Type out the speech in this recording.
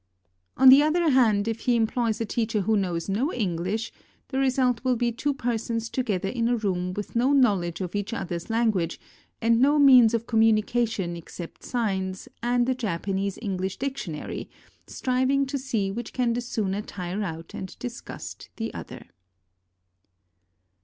On the other hand, if he employ a teacher who knows no English, the result will be two persons together in a room with no knowledge of each other's language, and no means of communication except signs and a Japanese EngHsh dictionary, striving to see which can the sooner tire out and disgust the other.